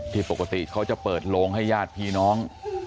ปกติเขาจะเปิดโลงให้ญาติพี่น้อง